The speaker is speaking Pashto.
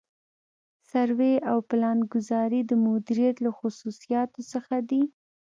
سروې او پلانګذاري د مدیریت له خصوصیاتو څخه دي.